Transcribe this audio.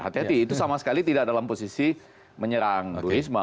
hati hati itu sama sekali tidak dalam posisi menyerang bu risma